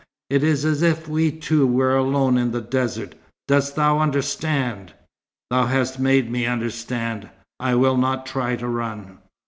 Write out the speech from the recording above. It is as if we two were alone in the desert. Dost thou understand?" "Thou hast made me understand. I will not try to run.